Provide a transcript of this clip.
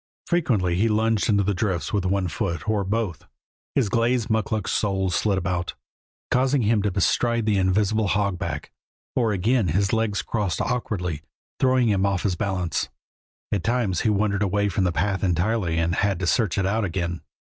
Frequently he lunged into the drifts with one foot, or both; his glazed mukluk soles slid about, causing him to bestride the invisible hogback, or again his legs crossed awkwardly, throwing him off his balance. At times he wandered away from the path entirely and had to search it out again.